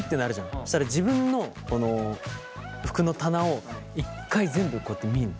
そしたら自分の服の棚を１回全部こうやって見るんだよ。